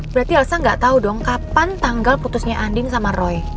berarti elsa gak tahu dong kapan tanggal putusnya andin sama roy